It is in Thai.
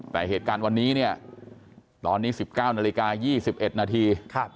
แต่เหตุการณ์วันนี้เนี่ยตอนนี้๑๙นาฬิกา๒๑นาที